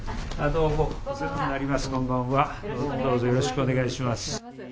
よろしくお願いします。